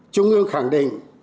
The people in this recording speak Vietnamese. trung ương khẳng định